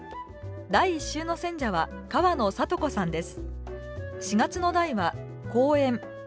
第１週の選者は川野里子さんです。